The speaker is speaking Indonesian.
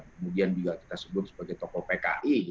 kemudian juga kita sebut sebagai tokoh pki